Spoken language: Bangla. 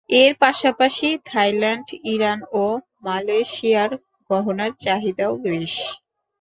এর পাশাপাশি থাইল্যান্ড, ইরান ও মালয়েশিয়ার গয়নার চাহিদাও বেশ।